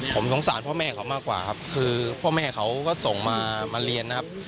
ผมสงสารพ่อแม่เขามากกว่าครับคือพ่อแม่เขาก็ส่งมาเรียนนะครับ